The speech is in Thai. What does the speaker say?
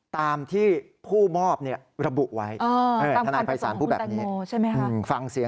ตามที่ผู้มอบระบุไว้